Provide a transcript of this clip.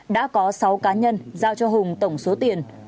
đã có sáu cá nhân giao cho hùng tổng số tiền